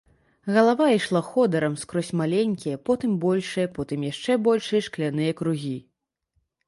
Галава ішла ходырам скрозь маленькія, потым большыя, потым яшчэ большыя шкляныя кругі.